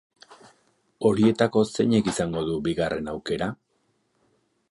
Horietako zeinek izango du bigarren aukera?